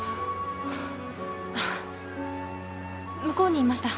向こうにいました。